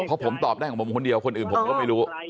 เพราะผมตอบได้ของผมคนเดียวคนอื่นผมก็ไม่รู้